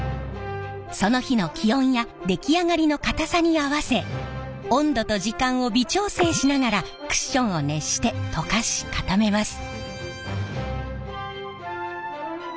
その日の気温や出来上がりの硬さに合わせ温度と時間を微調整しながらクッションを熱して溶かし固めます。